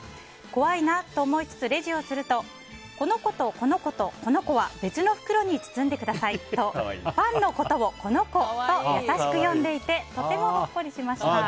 怖いなと思いつつ、レジをするとこの子とこの子とこの子は別の袋に包んでくださいとパンのことを「この子」と優しく読んでいてとてもほっこりしました。